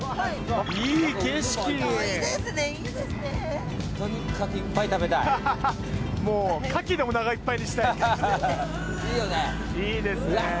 いいですね。